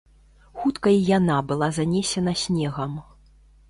Хутка і яна была занесена снегам.